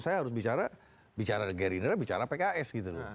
saya harus bicara bicara gerindra bicara pks gitu loh